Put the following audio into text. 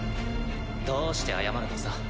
どうして謝るのさ？